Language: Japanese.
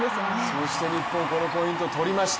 そして日本、このポイント取りました。